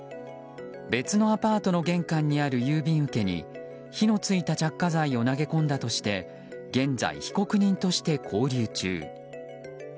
別のアパートの玄関にある郵便受けに火の付いた着火剤を投げ込んだとして現在、被告人として勾留中。